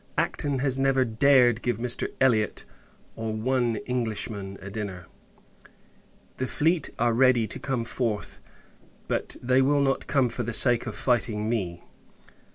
Acton has never dared give Mr. Elliot, or one Englishman, a dinner. The fleet are ready to come forth; but, they will not come for the sake of fighting me.